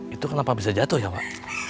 itu kenapa bisa jatuh ya pak